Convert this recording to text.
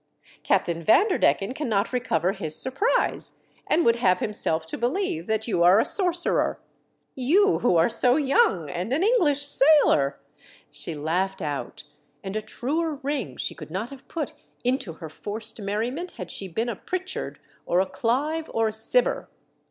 Captain Vanderdecken cannot recover his surprise, and would have himself to believe that you are a sorcerer. You, who are so young, and an English sailor!" She laughed out, and a truer ring she could not have put into her forced merriment had she been a Pritchard, or a Clive, or a Cibber.